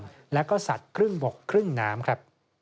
ปลาครึ่งบกครึ่งน้ำ